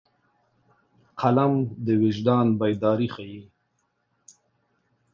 قلم د وجدان بیداري ښيي